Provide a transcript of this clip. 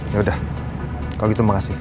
ya udah kalau gitu mengasih